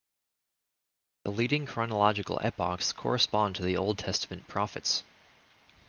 The leading chronological epochs correspond to the Old Testament prophets.